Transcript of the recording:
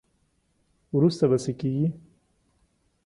وروسته به څه کیږي.